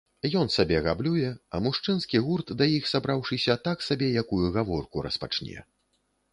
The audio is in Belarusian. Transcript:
Ён сабе габлюе, а мужчынскі гурт, да іх сабраўшыся, так сабе якую гаворку распачне.